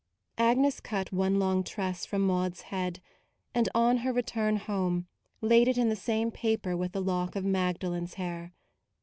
122 MAUDE Agnes cut one long tress from Maude's head ; and on her return home laid it in the same paper with the lock of Magdalen's hair.